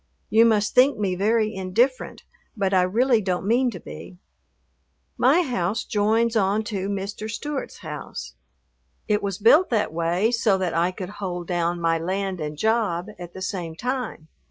You must think me very indifferent, but I really don't mean to be. My house joins on to Mr. Stewart's house. It was built that way so that I could "hold down" my land and job at the same time.